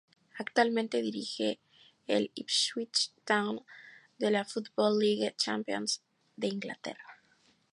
Actualmente dirige el Ipswich Town de la Football League Championship de Inglaterra.